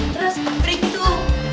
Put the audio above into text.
terus berikut tuh